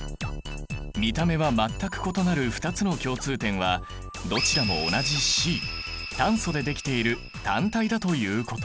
見た目は全く異なる２つの共通点はどちらも同じＣ炭素でできている単体だということ。